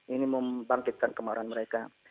ini membangkitkan kemarahan mereka